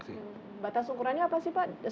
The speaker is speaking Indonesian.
batas ukurannya apa sih pak